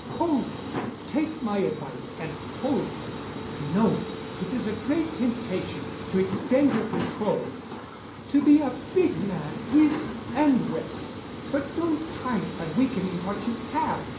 "Hold them. Take my advice and hold them. I know it is a great temptation to extend your control, to be a big man East and West. But don't try it by weakening what you have.